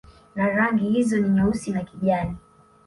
Na rangi hizo ni Nyeusi na kijani